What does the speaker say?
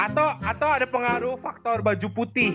atau ada pengaruh faktor baju putih